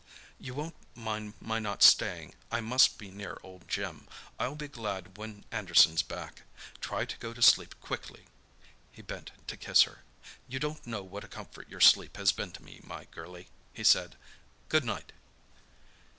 "You won't mind my not staying. I must be near old Jim. I'll be glad when Anderson's back. Try to go to sleep quickly." He bent to kiss her. "You don't know what a comfort your sleep has been to me, my girlie," he said. "Good night!"